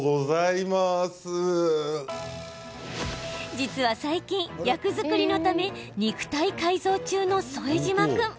実は最近役作りのため肉体改造中の副島君。